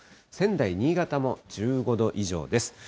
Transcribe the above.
仙台、新潟も１５度以上です。